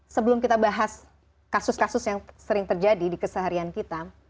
sebelum kita bahas kasus kasus yang sering terjadi di keseharian kita